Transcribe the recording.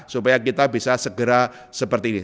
supaya kita bisa segera seperti ini